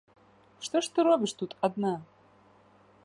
Што ж ты робіш тут адна?